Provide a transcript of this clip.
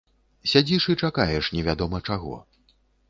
Сядзіш і чакаеш невядома чаго.